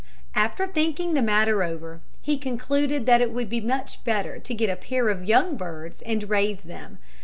After thinking the matter over he concluded that it would be much better to get a pair of young birds and raise them.